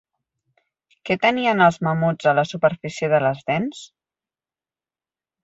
Què tenien els mamuts a la superfície de les dents?